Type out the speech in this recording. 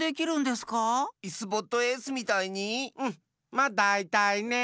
まだいたいねえ！